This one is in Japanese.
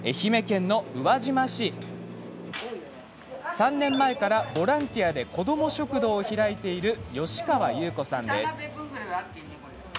３年前からボランティアで子ども食堂を開いている吉川優子さんです。